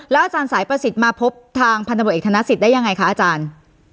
อาจารย์สายประสิทธิ์มาพบทางพันธบทเอกธนสิทธิได้ยังไงคะอาจารย์